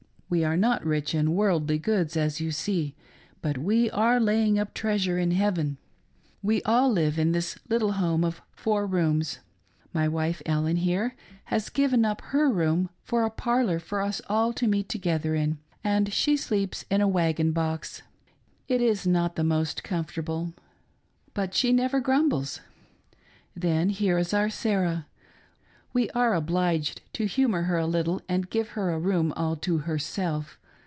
We are not rich in worldly goods, as you see, but we are laying up treasure in heaven. We all live in this little home of four rooms. My wife Ellen, here, has given up her room for a parlor for us all to meet together in, and she sleeps in a wagon box ; it is not the most comfortable, but she never grumbles. Then, here is our Sarah ; we are obliged to humor her a little, and give her a room all to herself.